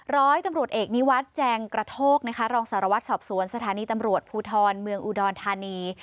ร้อยตำรวจเอกนิวัฒน์แจงกระโทกนะคะรองสารวัตรสอบสวนสถานีตำรวจภูทรเมืองอุดรธานี